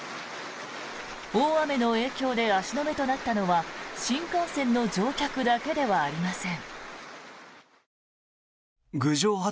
大雨の影響で足止めとなったのは新幹線の乗客だけではありません。